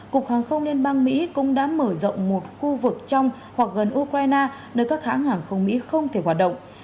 cục hàng không liên bang mỹ cũng đã mở rộng một khu vực trong hoặc gần ukraine nơi các hãng hàng không mỹ không thể hoạt động